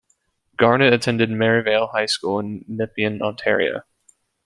Garnet attended Merivale High School in Nepean, Ontario.